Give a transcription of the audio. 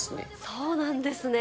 そうなんですね。